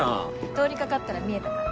通り掛かったら見えたから。